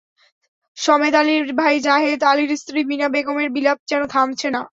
সমেদ আলীর ভাই জাহেদ আলীর স্ত্রী বিনা বেগমের বিলাপ যেন থামছে না।